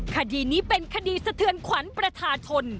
คดีนี้เป็นคดีสะเทือนขวัญประชาชน